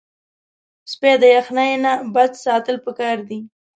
سپي د یخنۍ نه بچ ساتل پکار دي.